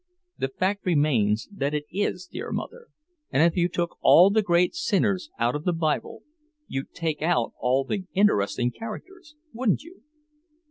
"The fact remains that it is, dear Mother. And if you took all the great sinners out of the Bible, you'd take out all the interesting characters, wouldn't you?"